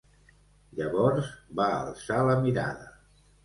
Llavors, va alçar la mirada.